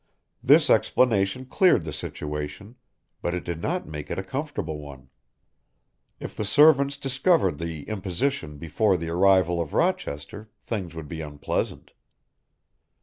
This explanation cleared the situation, but it did not make it a comfortable one. If the servants discovered the imposition before the arrival of Rochester things would be unpleasant.